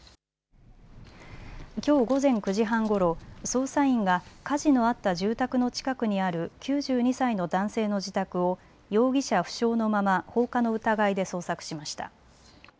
きょう午前９時半ごろ捜査員が火事のあった住宅の近くにある９２歳の男性の自宅を容疑者不詳のまま放火の疑いで捜索しました。